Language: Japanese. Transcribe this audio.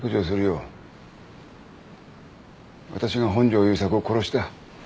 私が本城雄作を殺した。